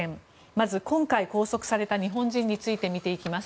まず今回拘束された日本人について見ていきます。